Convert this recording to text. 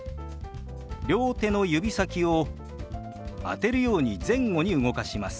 両手の指先を当てるように前後に動かします。